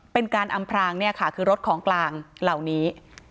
เป็นการอำพรางเนี่ยค่ะคือรถของกลางเหล่านี้